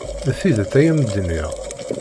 D tidet ay am-d-nniɣ.